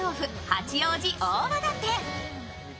八王子大和田店